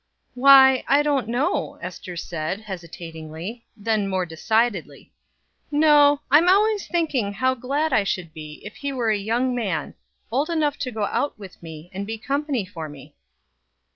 "Why, I don't know," Ester said, hesitatingly; then more decidedly, "No; I am always thinking how glad I should be if he were a young man, old enough to go out with me, and be company for me."